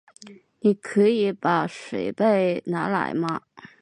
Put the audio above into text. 你可以把水杯拿来吗？